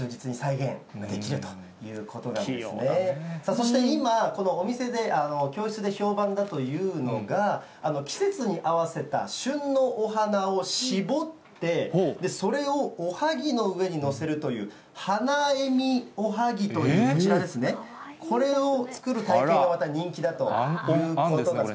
そして今、このお店で、教室で評判だというのが、季節に合わせた旬のお花を絞って、それをおはぎの上に載せるという、花笑みおはぎという、こちらですね、これを作る体験がまた人気だということです。